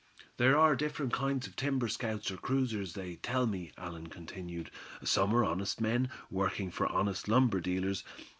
"There are different kinds of timber scouts or cruisers, they tell me," Allan continued. "Some are honest men, working for honest lumber dealers.